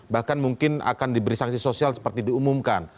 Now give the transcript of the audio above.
bahkan mungkin akan diberi sanksi sosial seperti diumumkan